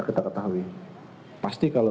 kita ketahui pasti kalau